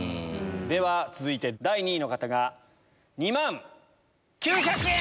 では続いて第２位の方が２万９００円！